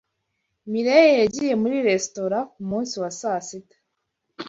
Mirelle yagiye muri resitora kumunsi wa sasita.